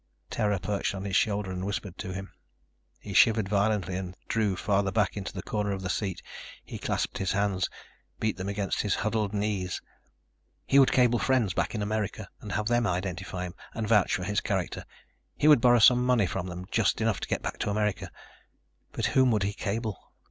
Terror perched on his shoulder and whispered to him. He shivered violently and drew farther back into the corner of the seat. He clasped his hands, beat them against his huddled knees. He would cable friends back in America and have them identify him and vouch for his character. He would borrow some money from them, just enough to get back to America. But whom would he cable?